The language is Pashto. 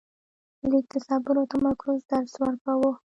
لیک د صبر او تمرکز درس ورکاوه.